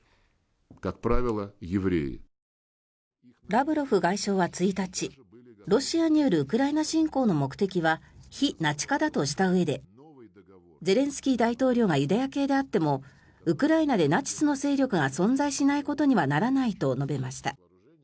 ラブロフ外相は１日ロシアによるウクライナ侵攻の目的は非ナチ化だとしたうえでゼレンスキー大統領がユダヤ系であってもウクライナでナチスの勢力が存在しないことにはならないと述べました。